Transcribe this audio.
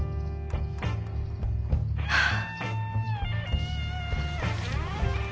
はあ。